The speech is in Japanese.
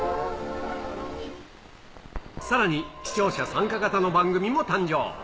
さらに、視聴者参加型の番組も登場。